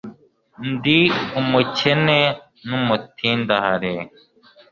ndi umukene n'umutindahare